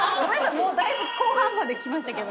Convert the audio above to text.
もうだいぶ後半まで来ましたけど。